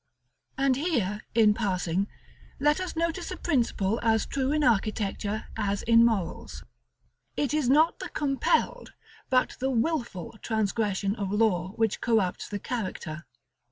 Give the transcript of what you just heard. § LXXXIII. And here, in passing, let us notice a principle as true in architecture as in morals. It is not the compelled, but the wilful, transgression of law which corrupts the character.